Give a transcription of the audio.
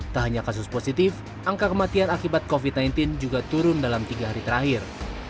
tak hanya kasus positif angka kematian akibat covid sembilan belas juga turun dalam tiga hari terakhir